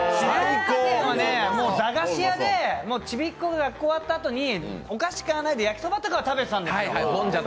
駄菓子屋でちびっ子が学校を終わったあと、駄菓子を買わずに焼きそばとかを食べてたんですよ。